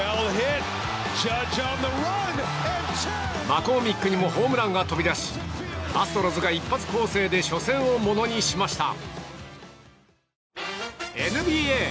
マコーミックにもホームランが飛び出しアストロズが一発攻勢で初戦をものにしました。